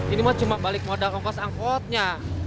ini mah cuma balik modal ongkos angkotnya